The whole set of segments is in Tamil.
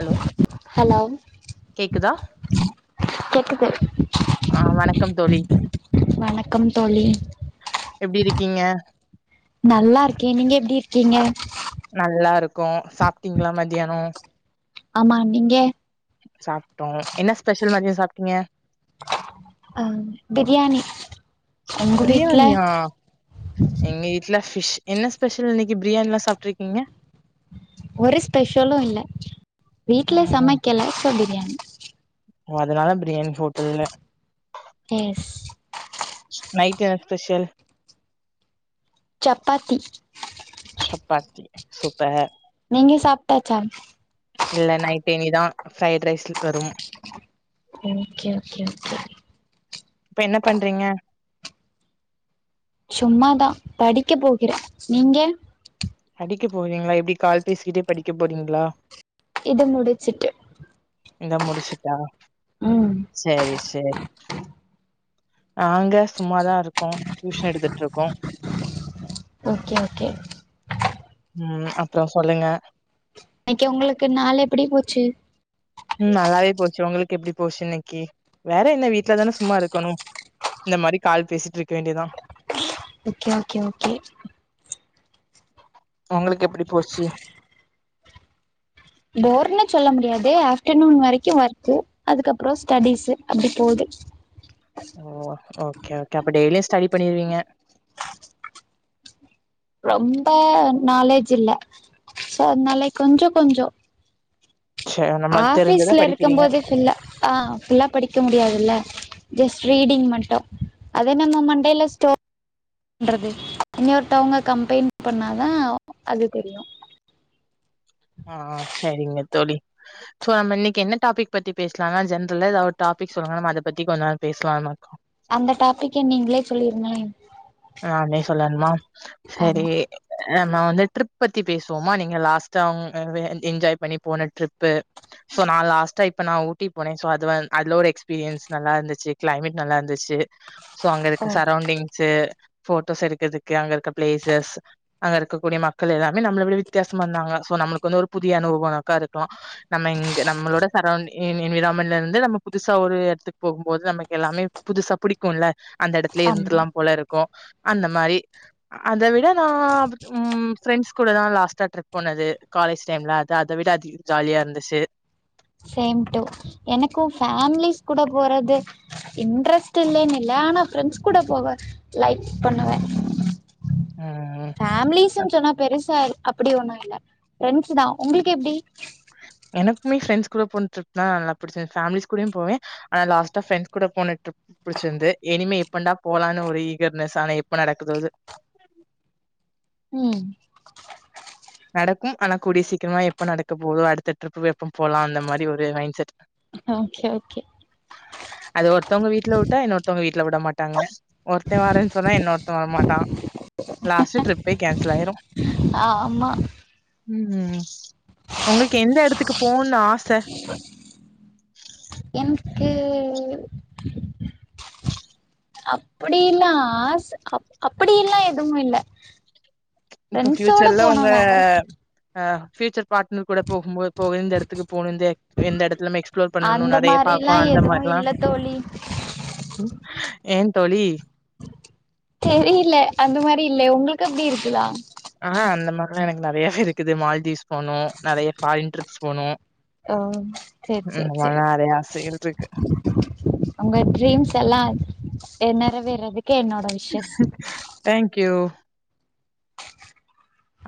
ஹலோ ஹலோ கேக்குதா கேக்குது ஆ வணக்கம் தோழி வணக்கம் தோழி கீங்க நல்லா இருக்கே நீங்க எப்படி இருக்கீங்க நல்லா இருக்கோ சாப்ட்டீங்களா மத்யானம் ஆமா நீங்க சாப்ட்டோம் என்ன ஸ்பெஷல் மதியம் சாப்ட்டீங்க ஆ பிரியாணி உங்க வீட்ல பிரியாணியா எங்க வீட்ல ஃபிஷ் என்ன ஸ்பெஷல் இன் எ பிரியாணில்லாம் சாப்ட்டுருக்கீங்க ஒரு ஸ்பெஷலும் இல்ல வீட்ல ம் ம் சமைக்கல சோ பிரியாணி ஓ அதனால பிரியாணி ஹோட்டல்ல எஸ் நைட் என்ன ஸ்பெஷல் சப்பாத்தி சப்பாத்தி சூப்பர் நீங்க சாப்ட்டாச்சா இல்ல நைட்னிதான் ஃப்ரை ஓகே ஓகே ஓகே இப்ப என்ன பண்றீங்க சும்மாதான் படிக்க போகிறேன் நீங்க படிக்க போவிங்களா எப்டி கால் பேசிட்டே படிக்க போறீங்களா இது முடிச்சுட்டு இந்தா முடிச்சுட்டா ம் சேரி சேரி நாங்க சும்மாதான் இருக்கோம் டியூஷன் எடுத்துட்டு இருக்கோ ஓகே ஓகே உம் அப்பறம் சொல்லுங்க இன்னைக்கு உங்களுக்கு நாள் எப்படி போச்சு உம் நல்லாவே போச்சு உங்களுக் எப்படி போச்சு இன்னைக்கு வேற என்ன வீட்டல தான சும்மா இருக்கணும் இந்த மாரி கால் பேசிட்டு இருக்க வேண்டியதா ஓகே ஓகே ஓகே உங்களுக்கு எப்படி போச்சு போர்ன்னு சொல்ல முடியாது ஆஃப்டர்நூன் வரைக்கும் ஒர்க்கு அதுக்கப்பறம் ஸ்டடிஸ் அப்படி போது ஓ ஓகே ஓகே அப்ப டெய்லியு ஸ்டடி பண்ணிருவீங்க ரொம்ப நாலேஜ் இல்ல சோ அதனால கொஞ்ச கொஞ்ச சரி நம்மளுக்கு தெரிஞ்சத ஆபீஸ்ல இருக்கும் படிக்கிறீங்க. போது ஃபுல்லா ஆ ஃபுல்லா படிக்க முடியாதுல்ல ஜஸ்ட் ரீடிங் மட்டும் அத நம்ம மண்டேில ஸ்டோர் பண்றது இன்னருவங்க கம்பெயின் பண்ணாதா அது தெரியும் ஆ சரிங்க தோழி சோ நம்ம இன்னைக்கு என்னடாபிக் பத்தி பேசலாம்ங்கா ஜென்ரல்ல ஏதாவது டாபிக் சொல்லுங்க நம்ம அத பத்தி கொஞ்ச நாம் பேசலாம்னு மக்கோ அந்த டாபிக் நீங்களே சொல்லிருங்களளே நானே சொல்லணுமா சேரி ஆமா நம்ம வந்து ட்ரிப் பத்தி பேசுவோமா நீங்க லாஸ்ட்டா என்ஜாய் பண்ணி போன ட்ரிப் சோ நா லாஸ்ட்டா இப்ப நான் ஊட்டி போனேன் சோ அது அதுல ஒரு எக்ஸ்பீரியன்ஸ் நல்லா இருந்துச்சு கிளைமேட் நல்லா இருந்துச்சு சோ அங்க இருக்க ஓ சரவுண்டிங்ஸு போட்டோஸ் எடுக்கறிறதுக்கு அங்க இருக்க பிளேசஸ் அங்க இருக்கக்கூடிய மக்கள் எல்லாமே நம்மள எப்படி வித்தியாசம் வந்தாங்க சோ நம்மளுக்கு வந்து ஒரு புதிய அனுபவம்மேக்கா இருக்கலாம் நம்ம இங்க நம்மளோட சரௌண்ட என்விரான்மெண்ட்ல இருந்து நம்ம புதுசா ஒரு இடத்துக்கு போகும் போது நமக்கு எல்லாமே புதுசா புடிக்கும்ல அந்த இடத்துல ஆமா இருந்துலா போல இருக்கும் அந்த மாரி அத விட நா உம் ஃப்ரெண்ட்ஸ் கூடதா லாஸ்டா ட்ரிப் போனது காலேஜ் டைம்ல அது அத விட அதிகம் ஜாலியா இருந்துச்சு சேம் டு எனக்கும் ஃபேம்லிஸ் கூட போறது இன்ட்ரெஸ்ட் இல்லன்னு இல்ல ஆனா ஃப்ரெண்ட்ஸ் கூட போவ லைக் பண்ணுவ ம் ஃபேமிலீஸ்ன்னு சொன்னா பெருசா அப்டி ஒண்ணும் இல்ல ஃப்ரெண்ட்ஸ் தா உங்ளுக்கு எப்டி எனக்குமே ஃப்ரெண்ட்ஸ் கூட போன ட்ரிப் தா நல்லா புடிச்சிருந் ஃபேமிலிஸ் கூடயு போவே ஆனா லாஸ்டா ஃப்ரண்ட்ஸ் கூட போன ட்ரிப் புட்ச்சிர்ந்து இனிமே எப்பண்டா போலான்னு ஒரு ஈகர்னஸ் ஆனா எப்ப நடக்குதோ அது உம் நடக்கும் ஆனா கூடிய சீக்கிரமா எப்ப நடக்க போதோ அடுத்த ட்ரிப்பு எப்போ போலாம் அந்த மாரி ஒரு மைண்ட் செட் ஓகே ஓகே அது ஒருத்தவங்க வீட்ல வுட்டா இன்னொருத்தங்க வீட் ல விட மாட்டாங்க ஒருத்த வரேன் சொன்னா இன்னொருத்தன் வரமாட்டா லாஸ்ட்டு ட்ரிப்பே கேன்சல் ஆயிரும் ஆமா உம் ஒங்கள்க்கு எந்த எடத்துக்கு போணும்னு ஆச க்கு அப்பிடி ல்லா ஆச அப்படி ல்லா எதுவுமே இல்ல இப்ப ஃப்ரெண்ட்ஸோட ஃபியூச்சர்ல போனு உங்க வேற அ ஃபியூச்சர் பாட்னர் கூட போகும்போது போக இந்த இடத்துக்கு போணும் இந்த எந்த இடத்துல எக்ஸ்ப்ளோர் பண்ணணும் அந்த நிறைய மாரில்லா பாக்கணும் அந்த எதுவு மாரில்லா இல்ல தோழி ஏ தோழி தெரியில அந்த மாரி இல்லே உங்களுக்கு அப்டி இருக்குதா ஆ அந்த மாரி ல்லாம் எனக்கு நெறையாவே இருக்குது மால்தீவ்ஸ் போணும் நெறய ஃபாரின் ட்ரிப் போணும் ஓ செர் செர் செரி நெறைய ஆசைகள் இருக்கு. உங்க ட்ரீம்ஸ் எல்லா எ நெறவேர்றதுக் தேங்க்யூ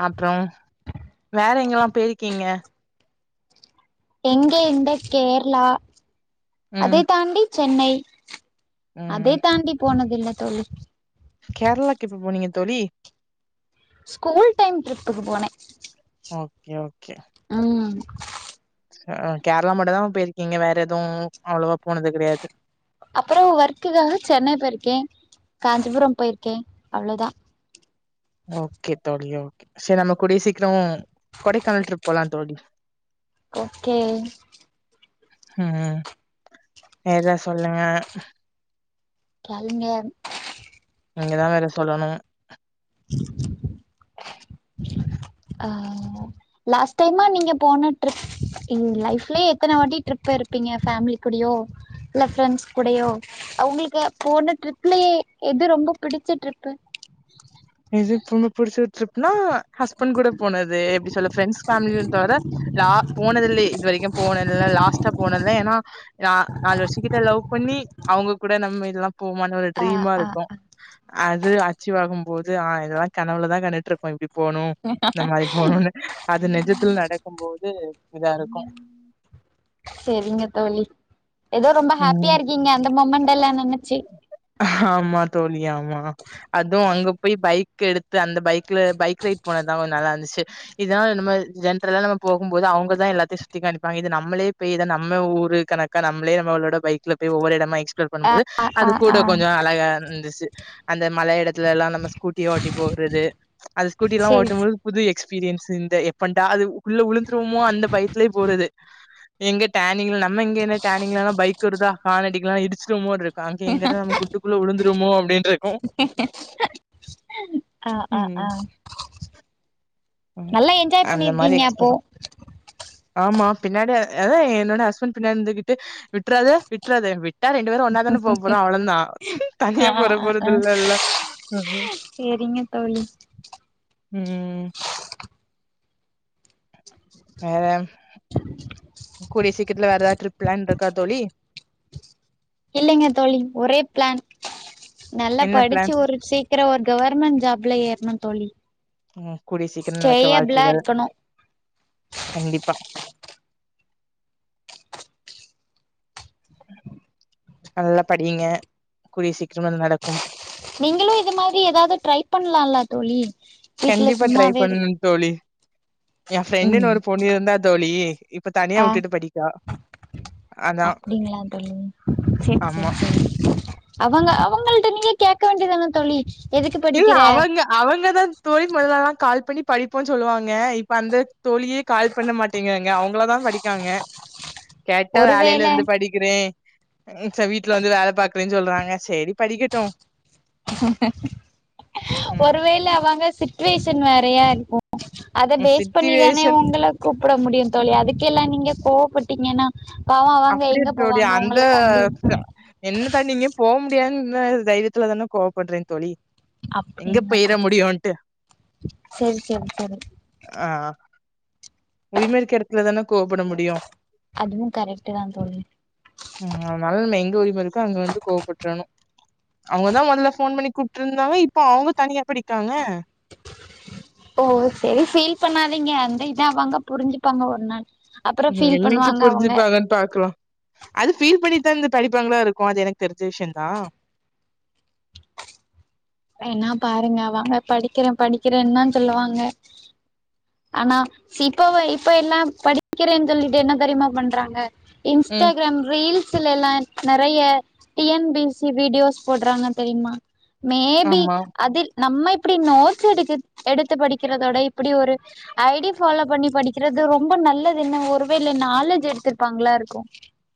அப்றம் வேற எங்கெல்லா பேய்ருக்கீங்க எங்க இந்த கேர்ளா ம் அதே தாண்டி சென்னை அதே ம் தாண்டி போனத் இல்ல தோழி கேரளாக்கு எப்ப போனீங்க தோழி ஸ்கூல் டைம் ட்ரிப்புக்கு போனே ஓகே ஓகே ம் அ கேரளா மட்டும் தா போயிருக்கீங்க வேற எதுவு அவ்வளவா போனது கிடையாது. அப்பறம் ஒர்க்கக்காக சென்னை போயிருக்கே காஞ்சிபுரம் போயிருக்கே. அவ்வளவுதா ஓகே தோழி ஓகே சரி நம்ம கூடிய சீக்கிரம் கொடைக்கானல் ட்ரிப் போலாம் தோழி ஓகே உம் வேற எதா சொல்லுங்க. கேளுங்க நீங்க தா வேற சொல்லணும். அ லாஸ்ட டை நீங்க போன ட்ரிப் இன் லைஃப்லயே எத்தன வாட்டி ட்ரிப் போயிருபீங்க பேமிலி கூடையோ இல்ல ஃப்ரெண்ட்ஸ் கூடையோ அவங்களுக்கு போன ட்ரிப்லயே எது ரொம்ப பிடிச்ச டரிப்பு. ரொம்ப புடிச்சது ட்ரிப்னா ஹஸ்பண்ட் கூட போனது எப்படி சொல்ல ஃப்ரெண்ட்ஸ் பேமிலி தவிர ல போனது இல்லை இது வரைக்கும் போன இ லாஸ்ட்டா போனத இல ஏன்னா நாலு வருஷ கிட்ட லவ் பண்ணி அவங்க கூட நம்ம எல்லா போ மாட்டோம்ல ஆ ட்ரீமா ஆ இருக்கும் ஆ அது அச்சீவ் ஆகும். போது ஆ இதெல்லாம் கனவுல தா கண்டு இருப்போம் இப்படி போனும் இந்த மாதிரி போணு அது நிஜத்துல நடக்கும் போது இதா இருக்கும் சரிங்க தோழி ஏதோ ரொம்ப ம் ஹாப்பியா இருக்கீங்க அந்த மொமெண்ட் ல்லாம் நெனச்சி ஆமா தோழி ஆமா அதுவும் அங்க போய் பைக் எடுத்து அந்த பைக் பைக்ல பைக்ரைட் போனதான் கொஞ்ச நல்லாருந்துச்சு டு இதா நம்ம ஜென்றலா நம்ம போகும் போது அவுங்க தான் எல்லாத்தையும் சுத்தி காமிப்பாங்க இத நம்மளே பேய் தா நம்ம ஊரு கனக்கா நம்மளே நம்மளோட பைக்ல பேய் ஒவ்வொரு எடமா சு டு ஆ பன்னும்போது ஆ அது ஆ கூட ஆ கொஞ்சம் அழகா இருந்துச்சு அந்த அந்த மல எடத்துல எல்லாம் நம்மஸ்கூட்டிய ஓட்டி போகறது அந்த ஸ்கூட்டி எல்லாம் சேரி ஓட்டும்போது புது எக் எக்ஸ்பீரியன்ஸ் இந்த எப்படா அது உள்ள விழுந்துருவோமோ அந்த பயத்தலய போறது எங்க டேனிங்க நம்ம எங்க என்ன டேனிங்களா பைக் வருதா காரணடிக்லாம் இடிச்சிடுோமோ. அங்க எங்க நம் குட்டுக்குள்ள உழுந்து [unintelligible] அப்படின்னு ஆஹ் ஆஹ் ம் ஆஹ் ம். நல்லா என்ஜாய் அந்த மாரி பண்ணிருக்கீங்க எக்ஸ்போ அப்போ ஆமா பின்னாடி அதாவது என்னோட ஹஸ்பண்ட் பின்னாடி இருந்துகிட்டு விட்டுறாதே விட்டுறாத விட் டா ரெண்டு பேரும் ஒன்னாதான போ போறோம் அவ்ள தான் ஆ தனியா ஆ போற ஆ ஆ போறதுல்லல்ல சேரிங்க தோழி உம் வேற [unintelligible] ல வேற ஏதாவது ட்ரிப் பிளான் இருக்கா தோழி இல்லைங்க தோழி ஒரே பிளான் நல்லா என்ன படிச்சு பிளான் ஒரு சீக்கிரம் ஒரு கவர்மெண்ட் ஜாப்ல ஏறணும் தோழி ம் கூடிய சீக்கிரம் நடக்க கேயபிளா வாழ்த்துகள் இருக்கணும் கண்டிப்பா நல்லா படிங்க கூடிய சீக்கிரம் அது நடக்கும் நீங்களும் இது மாதிரி ஏதாவது ட்ரை பண்ணலால தோழி கண்டிப்பா ட்ரை பண்ண தோழி என் ஃப்ரெண்டுன்னு உம் ஒரு பொண்ணு இருந்தா தோழி, இப்ப தனியா ஆஹ் விட்டுட்டு படிக்கா. அதான் அப்டிங்களா தோழி சேரி ஆமா. சேரி சேரி அவங்க அவங்கள்ட நீங்க கேக்க வேண்டியதான தோழி எதுக்கு இல்ல படிக்கிற அவங்க அவங்க தான் தோழி முதலல்லாம் கால் பண்ணி படிப்போனு சொல்லுவாங்க இப்ப அந்த தோழியே கால் பண்ண மாட்டேங்காங்க அவங்கள தான் படிக்காங்க கேட்டா ஒருவேள வேலையிலருந்து படிக்கிறேன் ச வீட்டுல வந்து வேல பாக்குறேன்னு சொல்றாங்க சேரி படிக்கட்டும் உம் ம். ஒருவேல அவங்க சி சிடுவேஷன் வேறையா இருக்கும் அத பேஸ் பண்ணிதானே சிச்சுவேஷன் உங்கள கூப்பிட முடியும் தோழி அதுக்கெல்லாம் நீங்க கோவப்பட்டீங்கன்னா பாவோ அவங்க அப்படிய எங்க ஜோடியா போவாங்க அந்த உங்கள தாண்டி என்ன தாண்டி எங்கயோ போ முடியானு தைரியத்துல தானே கோவப்படுறே தோழி எங்க அப்படின்னா போயிற தெரிச்சு முடியுன்ட்டு சேரி சேரி சேரி உரிம இருக்கு இடத்துல தானே கோவப்பட முடியும் அதுவு கரெக்ட் தா தோழி உம் அதனால நம்ம எங்க உரிம இருக்க அங்க வந்து கோவப்பட்றனும் அவங்கதா முதல்ல போன் பணி கூப்ட்டு இருந்தாங்க இப்ப அவங்க தனியா படிக்காங்க ஓ சரி ஃபீல் பண்ணாதீங்க அந்த இதா வாங்க புரிஞ்சுப்பாங்க ஒரு நாள் அப்புறோ ம் ஃபீல் என்னைக்கு பண்ணுவாங்க அவங்க புரிஞ்சுப்பாங்கன்னு பாக்கலாம் அது பீல் பண்ணி இருந்து படிப்பாங்களா இருக்கு அது எனக்கு தெரிஞ்ச விஷயம்தா வேணா பாருங்கங்க அவங்க படிக்கிறேன் படிக்கிறேன் தா சொல்லுவாங்க ஆனா இப்ப இப்ப எல்லாம் படிக்கிறேன்னு சொல்லிட்டு என்ன தெரியுமா பண்றாங்க ம் இன்ஸ்டாகிராம் ரீல்ஸ் எல்லா நிறைய டி எம் பிசி வீடியோஸ் போடுறாங்க தெரியுமா மே பி ஆமா அதில் நம்ம இப்படி நோட்ஸ் எடுத்து எடுத்து படிக்கிறதோட இப்படி ஒரு ஐடி ஃபாலோ பண்ணி படி ருது ரொம்ப நல்லது என்ன ஒருவேளை நாலேஜ் எடுத்திருப்பாங்களா இருக்கும்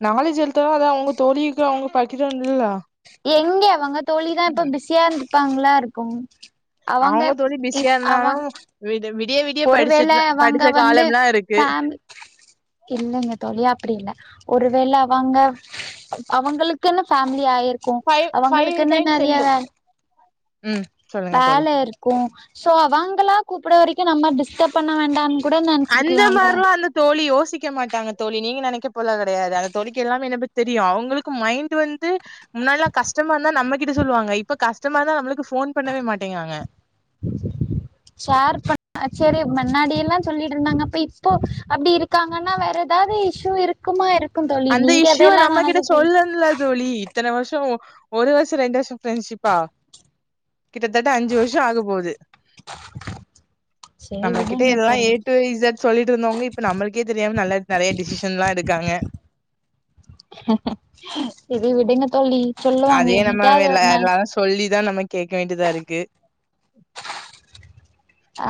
நாலேஜ் வளர்த்தா அது அவங்க தோழிக்கு அவங்க படிக்கிறாங்க இல்ல எங்கே அவங்க தோழி தா இப்ப பிசியா இருப்பாங்களா இருக்கும் அவங்க தோழி பிஸியா இருந்தாலு விட வி ஒருவேள அவங்க வந்து இருக்கு பேம் இல்லைங்க தோழி அப்படி இல்ல ஒருவேள அவங்க அவங்களுக்குன ஃபேமிலி ஆய் இருக்கும் ஃபைவ் ஃபைவ் அவங்களுக்கு டைம்ஸ் நிறைய செல்லு வே ம் சொல்லுங்க தோழி வேல இருக்கும் சோ அவங்களா கூப்பிட வரைக் நம்ம டிஸ்டர்ப் பண்ண வேண்டா அந்த மாரிலா இல்ல தோழி யோசிக்க மாட்டாங்க தோழி நீங்க நெனை க போல கிடையாது அந்த தோழிக்கு எல்லாமே என் பத்தி தெரியும் அவங்களுக்கு மைண்ட் வந்து முன்னாலா கஷ்டமா இருந்தா நம்ம கிட்ட சொல்லுவாங்க இப்ப கஷ்டமா இருந்தா நம்மளுக்கு போ ன் பண்ணவே மாட்டேங்காங்க முன்னாடிய எல்லாம் சொல்லிட்டு இருந்தாங்க அப்ப இப்போ அப்படி இருக்காங்கன்னா வேற ஏதாவது இஷூ இருக்குமா இருக்கு தோழி அந்த நீங்க இஷ்யூுவ அதெல்லா நம்மகிட்ட நெனச்சு ஃபீல் சொல்லும்ல தோழி இத்தன வருஷம் ஒரு வருஷம் ரெண்டு வருஷம் ஃப்ரெண்ட்ஷிப்பா கிட்டத்தட்ட அஞ்சு வருஷம் ஆக போகுது சரி நம்மகிட்ட விடுங்க எல்லாம் தோழி ஏ டு இசட் சொல்லிட்டு இருந்தவங்க இப்ப நம்மளுக்கே தெரியாம நல்ல நிறைய டி சி ஷன் எல்லா எடுக்காங்க சரி விடுங்க தோழி சொல்லுவாங்க அதே நம்ம எ என்னைக்காவது ஒரு நாள் எல்லாரு சொல்லிதா நம கேக்க வேண்டியதா இருக்கு ஆ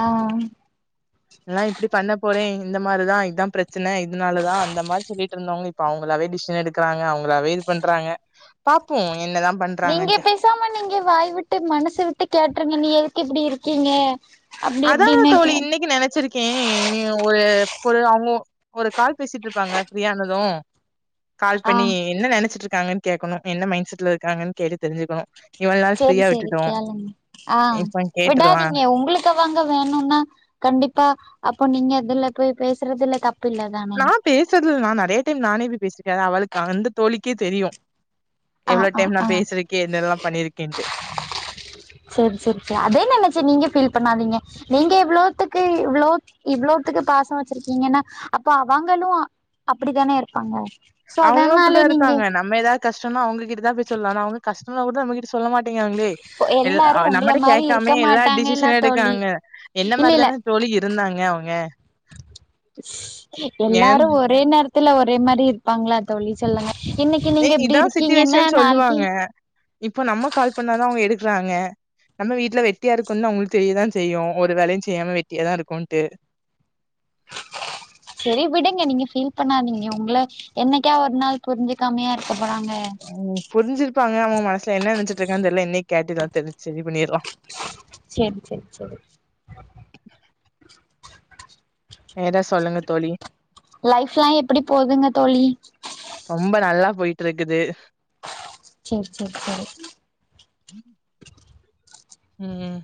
எல்லா இப்படி பண்ண போறே இந்த மாதிரிதா இதுதா பிரச்சனை இதனாலதா அந்த மாதிரி சொல்லிட்டு இருந்தவங்க இப்ப அவங்களாவே டிஸிஸன் எடுக்கறாங்க அவங்களாவே இது பண்றாங்க பாப்போம் நீங்க பேசாம நீங்க வாய் விட்டு மனசு விட்டு கேட்டுறங்க நீ ஏ துக்கு இப்படி இருக்கீங்க அப்டி அதா இப்டின்னு தோழி கே இன்னைக்கு நினைச்சிருக்கேன் இனி ஒரு ஒரு அவங்க ஒரு கால் பேசிட்டு இருப்பாங்க ஃப்ரீயானதும் கால் ஆ பண்ணி என்ன நினைச்சிட்டு இருக்காங்க கேக்கணும் என் மைண்ட செட்ல இருக் காகன்னு கேட்டு தெரிஞ்சுக்கணும் சேரி சேரி கேளுங்க ஆ இப்ப கேட்டுரலா விடாதீங்க உங்களுக்கு அவங்க வேணும்னா கண்டிப்பா அப்போ நீங்க இதுல போய் பேசுறதுல தப் நா பேசுறதுல் நா நிறைய டைம் நானே பேசிருக்க அவளுக்கு அந்த தோழிக்கே தெரியும் ஆ எவ்வளவு ஆ டைம் நா ஆ பேசுறக்கேன் என்னலா பண்ணியிருக்கேன்ட் சேரி சேரி சேரி அதே நனைச்சு நீங்க பீல் பண்ணாதீங்க நீங்க இவ்வளோத்துக்கு இவ்ளோ இவ்ளோத்துக்கு பாசம் வச்சிருக்கீங்கன்னா அப்போ அவங்களும் அப்படித்தானே இருப்பாங்க சோ அவங்களும் அதனால அப்படிதா நீங்க இருப்பாங்க நம்ம ஏதாவது கஷ்டம் னா அவங்கிட்டதா போய் சொல்லா அவங்க கஷ்ட னா கூட நம்மகிட்ட சொல்ல மாட்டேங்காங்களே எல்லாரு உங்கள நம்மட மாரி இருக்க கேட்காமே எல்லா மாட்டாங்கல்ல டிசிஷனும் தோழி எடுக்காங்க என்ன இல்ல இல்ல மாரிதான தோழி இருந்தாங்க அவங்க ஏன் எல்லாரும் ஒரே நேர த்துல ஒரே மாரி இருப்பாங்களா தோழி சொல்லுங்க இன்னைக்கு நீங்க இப்டி இதா இருக்கீங்கன்னா சிச்சுவேஷன் நாளைக்கு சொல்லுவாங்க இப்போ நம்ம கால் பண்ணாதா அவங்க எடு றாங்க நம்ம வீட்டுல வெட்டியா இருக்கும்னு அவங்களுக்கு தெரியதா செய்யும் ஒரு வேலையும் செய்யாம வெட்டியாதான் இருக்கும்ட்டு சரி விடுங்க நீங்க ஃபீல் பண்ணாதீங்க உங்க என்னைக்க ஒரு நாள் புரிஞ்சுக்காமையா இருக்க போறாங்க உம் புரிஞ்சிருப்பாங்க அவங்க மனசுல என்ன நினைச்சுட்டு இருக்கெல்லா இன்னக்கி கேட்டுர்ள்ளா தெரிஞ சரி பண்ணிற்லா செரி செரி செரி வேற சொல்லுங்க தோழி லைஃப்லா எப்படி போதுங்க தோழி போயிட்ருக்குது சேர் சேர் செரி ம்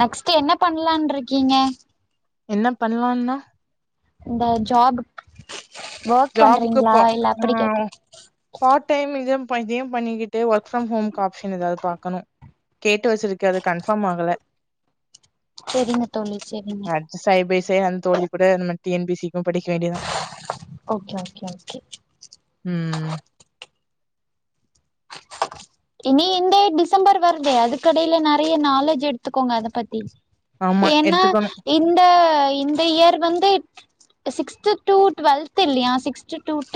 நெக்ஸ்ட் என்ன பண்லான் இருக்கிங்க என்ன பண்லானா இந்த ஜாபுக் ஜாபுக்கு ப ஆ கேக்குறே பார்ட் டைம் இத இதயும் பண்ணிகிட்டு ஒர்க் ஃப்ரம் ஹோம்க்கு ஆப்ஷன் எதாவுது பாக்கணு கேட்டு வெச்சிருக்க அது கன்ஃபார்ம் ஆகல செரிங்க தோழி செரிங்க சைடு தோழி கூட இந்த T N P C U படிக்க வேண்டிதா ஓகே ஓகே ஓகே ம் இனி இந்த டிசம்பர் வருதே அதுக்கெடைல நெறைய நாலேஜ் எடுத்துக்கோங்க அத பத்தி ஆமா ஏனா எடுத்துக்கோங்க இந்த இந்த இயர் வந்து சிக்ஸ்த் டு டுவெல்த் இல்லையா சிக்ஸ்த் டு